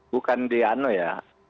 bukan di ano ya